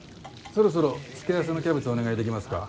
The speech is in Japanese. そろそろ付け合わせのキャベツお願いできますか？